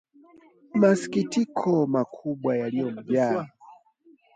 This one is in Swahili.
Masikitiko makubwa yalimjaa